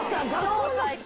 超最高！